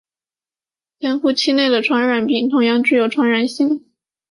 潜伏期内的传染病同样具有传染性。